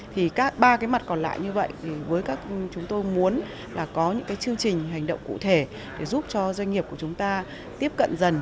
thì ba cái mặt còn lại như vậy thì với chúng tôi muốn là có những chương trình hành động cụ thể để giúp cho doanh nghiệp của chúng ta tiếp cận